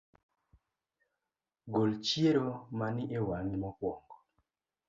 Gol chiero mani ewang’I mokuongo